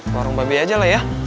warung babi aja lah ya